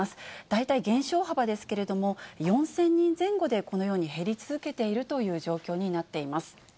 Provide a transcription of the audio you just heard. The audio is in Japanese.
大体減少幅ですけれども、４０００人前後で、このように減り続けているという状況になっています。